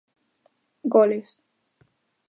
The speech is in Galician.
Goles.